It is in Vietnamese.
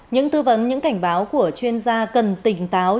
những tư vấn những cảnh báo của chuyên gia cần tỉnh táo